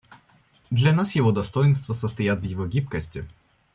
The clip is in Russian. Для нас его достоинства состоят в его гибкости.